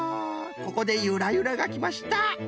ここでゆらゆらがきました。